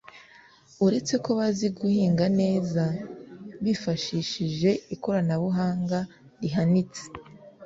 uretse ko bazi guhinga neza bifashsihije ikoranabuhanga rihanitse